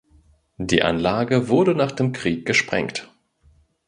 Die Anlage wurde nach dem Krieg gesprengt.